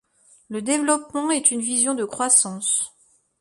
Le développement est une vision de croissance.